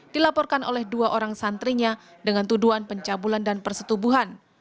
dilaporkan oleh dua orang santrinya dengan tuduhan pencabulan dan persetubuhan